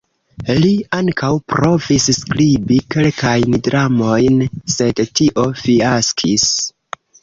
Li ankaŭ provis skribi kelkajn dramojn, sed tio fiaskis.